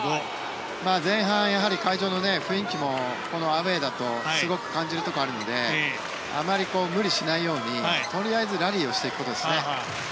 前半会場の雰囲気もアウェーだとすごく感じるところがあるのであまり無理しないようにとりあえずラリーしていくことですね。